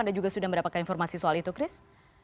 anda juga sudah mendapatkan informasi soal itu chris